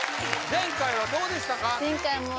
前回はどうでしたか？